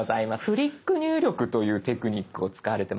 「フリック入力」というテクニックを使われてましたよね。